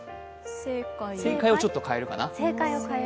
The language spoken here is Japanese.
正解をちょっと変えるかな。